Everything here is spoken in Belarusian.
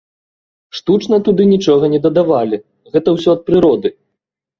Штучна туды нічога не дадавалі, гэта ўсё ад прыроды.